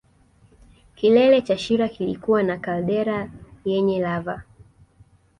Kilele cha shira kilikuwa na kaldera yenye lava